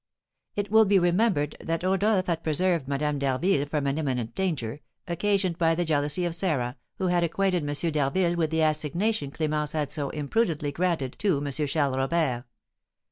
It will be remembered that Rodolph had preserved Madame d'Harville from an imminent danger, occasioned by the jealousy of Sarah, who had acquainted M. d'Harville with the assignation Clémence had so imprudently granted to M. Charles Robert.